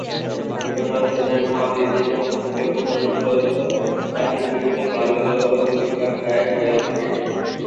এই পুনরুত্থানের মহাবীর্যের সমক্ষে পুনঃপুনর্লদ্ধ প্রাচীন বীর্য বাললীলাপ্রায় হইয়া যাইবে।